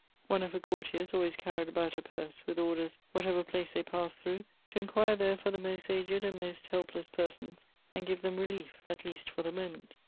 One of her courtiers always carried about a purse, with orders, whatever place they passed through, to inquire there for the most aged and most helpless persons, and give them relief, at least for the moment.